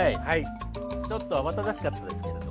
ちょっと慌ただしかったですけれども。